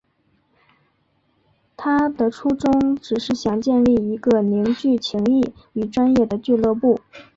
他的初衷只是想建立一个凝聚情谊与专业的俱乐部。